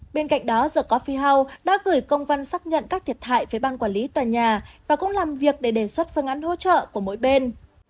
bên cạnh đó the coffee house đã gửi công văn xác nhận các thiệt thại với ban quản lý tòa nhà và cũng làm việc để đề xuất phương án hỗ trợ của mỗi bên